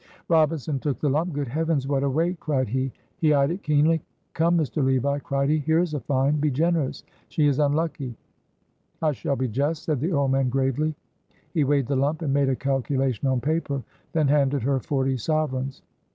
Robinson took the lump. "Good heavens! what a weight!" cried he. He eyed it keenly. "Come, Mr. Levi," cried he, "here is a find; be generous. She is unlucky." "I shall be just," said the old man gravely. He weighed the lump and made a calculation on paper, then handed her forty sovereigns.